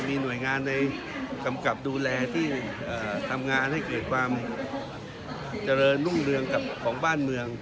มีหน่วยงานในกำกับดูแลที่ทำงานให้เกิดความเจริญรุ่งเรืองกับของบ้านเมือง